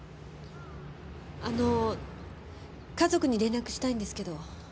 あの家族に連絡したいんですけど。